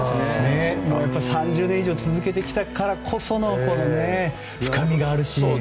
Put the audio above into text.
やはり３０年以上続けてきたからこその深みがあるし。